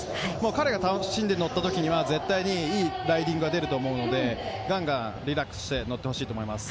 彼が楽しんで乗った時には絶対にいいライディングが出ると思うのでガンガンリラックスして乗ってほしいと思います。